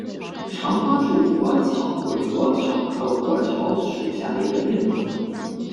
长花柱虎耳草为虎耳草科虎耳草属下的一个变种。